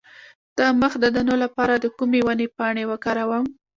د مخ د دانو لپاره د کومې ونې پاڼې وکاروم؟